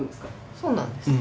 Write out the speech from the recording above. そうなんです。